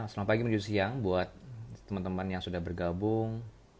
selamat pagi menuju siang buat teman teman yang sudah bergabung